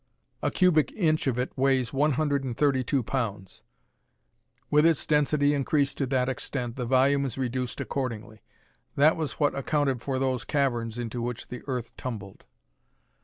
A cubic inch of it weighs one hundred and thirty two pounds. With its density increased to that extent, the volume is reduced accordingly. That was what accounted for those caverns into which the earth tumbled."